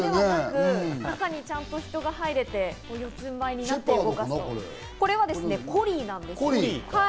中にちゃんと人が入れて四つんばいになって動かすとこれ、コリーです。